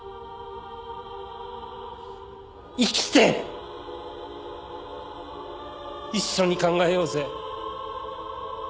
生きて一緒に考えようぜ。